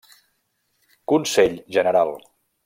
Consell General.